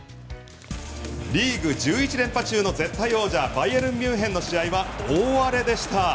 リーグ１１連覇中の絶対王者バイエルン・ミュンヘンの試合は大荒れでした。